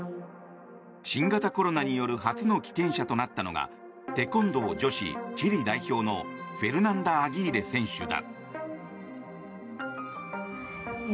新型コロナによる初の棄権者となったのがテコンドー女子チリ代表のフェルナンダ・アギーレ選手だ。